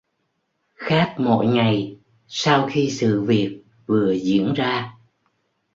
Khác mọi ngày sau khi sự việc vừa diễn ra